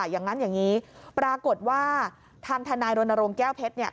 อย่างนั้นอย่างนี้ปรากฏว่าทางทนายรณรงค์แก้วเพชร